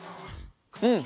うん。